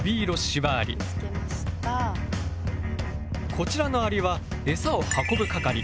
こちらのアリはエサを運ぶ係。